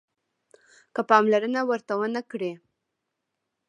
که پاملرنه ورته ونه کړئ